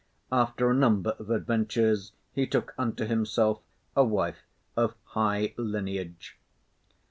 After a number of adventures he took unto himself a wife of high lineage.